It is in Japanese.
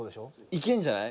いけんじゃない？